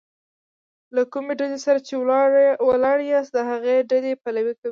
له کومي ډلي سره چي ولاړ یاست؛ د هغي ډلي پلوي کوئ!